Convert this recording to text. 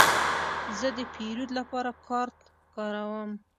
زه د پیرود لپاره کارت کاروم.